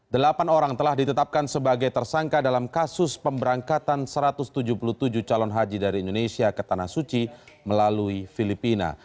delapan orang telah ditetapkan sebagai tersangka dalam kasus pemberangkatan satu ratus tujuh puluh tujuh calon haji dari indonesia ke tanah suci melalui filipina